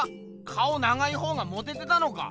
顔長いほうがモテてたのか？